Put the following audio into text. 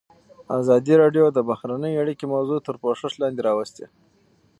ازادي راډیو د بهرنۍ اړیکې موضوع تر پوښښ لاندې راوستې.